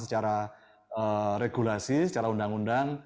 secara regulasi secara undang undang